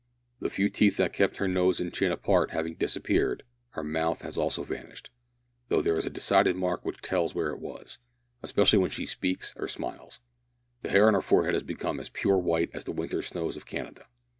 The few teeth that kept her nose and chin apart having disappeared, her mouth has also vanished, though there is a decided mark which tells where it was especially when she speaks or smiles. The hair on her forehead has become as pure white as the winter snows of Canada.